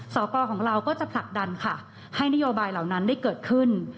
สกของเราก็จะผลักดันค่ะให้นโยบายเหล่านั้นได้เกิดขึ้น